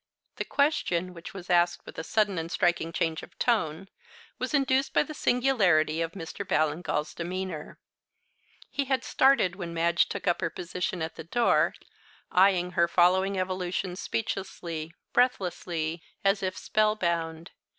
The question, which was asked with a sudden and striking change of tone, was induced by the singularity of Mr. Ballingall's demeanour. He had started when Madge took up her position at the door, eyeing her following evolutions speechlessly, breathlessly, as if spellbound.